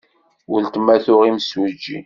Weltma tuɣ imsujji.